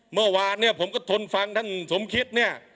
เมื่อวานผมก็ทนฟังท่านสมคิต